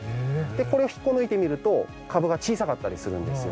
これを引っこ抜いてみるとかぶが小さかったりするんですよ。